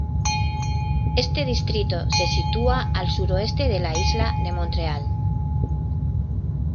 Este distrito se sitúa al suroeste de la isla de Montreal.